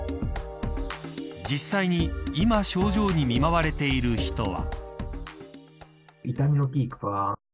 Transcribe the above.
実際に今、症状に見舞われている人は。